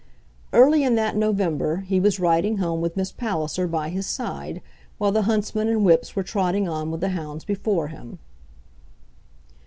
Early in that November he was riding home with Miss Palliser by his side, while the huntsmen and whips were trotting on with the hounds before him.